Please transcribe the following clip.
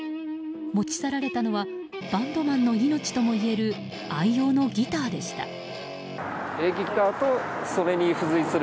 持ち去られたのはバンドマンの命ともいえる愛用のギターでした。